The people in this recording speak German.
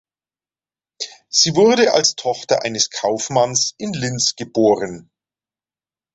Sie wurde als Tochter eines Kaufmanns in Linz geboren.